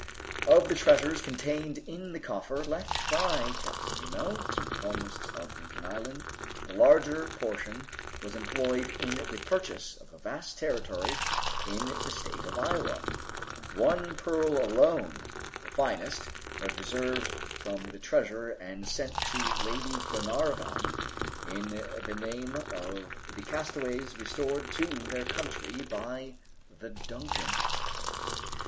Of the treasures contained in the coffer left by Captain Nemo to the colonists of Lincoln Island, the larger portion was employed in the purchase of a vast territory in the State of Iowa. One pearl alone, the finest, was reserved from the treasure and sent to Lady Glenarvan in the name of the castaways restored to their country by the "Duncan."